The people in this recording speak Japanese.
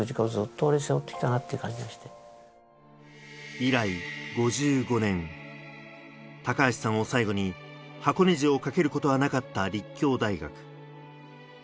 以来５５年、高橋さんを最後に箱根路を駆けることはなかった立教大学。